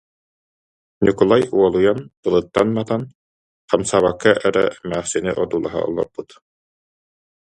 Ньукулай уолуйан, тылыттан матан, хамсаабакка эрэ эмээхсини одуулаһа олорбут